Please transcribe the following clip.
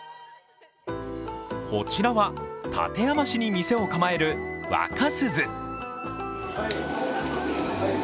こちらは、館山市に店を構える若鈴